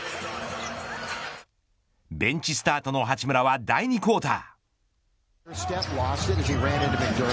ベンチスタートの八村は第２クオーター。